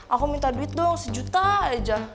aku minta duit dong sejuta aja